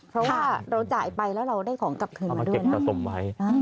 เพราะว่าเราจ่ายไปแล้วเราได้ของกลับเผื่อมาด้วยนะ